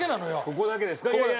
ここだけですか。